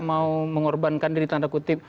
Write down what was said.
mau mengorbankan diri tanda kutip